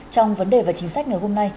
trong vấn đề về chính sách ngày hôm nay